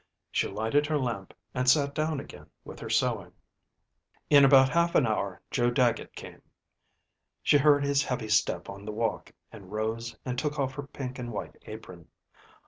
She lighted her lamp, and sat down again with her sewing. In about half an hour Joe Dagget came. She heard his heavy step on the walk, and rose and took off her pink and white apron.